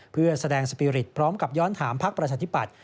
เพื่อแสดงสปีริตพร้อมกับย้อนถามพักประชาธิปัตย